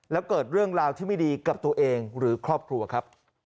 แล้วเกิดเรื่องราวที่ไม่ดีกับตัวเองหรือครอบครัวครับ